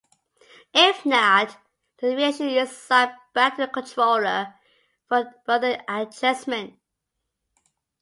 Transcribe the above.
If not, the deviation is sent back to the controller for further adjustment.